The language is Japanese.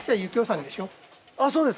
そうです